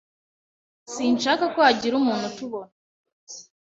Sinshaka ko hagira umuntu utubona.